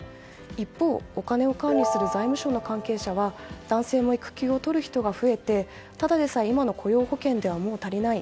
一方、お金を管理する財務省の関係者は男性も育休を取る人が増えてただでさえ今の雇用保険ではもう足りない。